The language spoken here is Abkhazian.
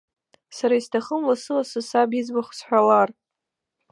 Сара исҭахым, лассы-лассы саб иӡбахә сҳәалар.